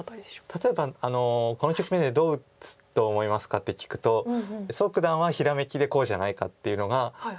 例えば「この局面でどう打つと思いますか？」って聞くと蘇九段はひらめきでこうじゃないかっていうのがすごい。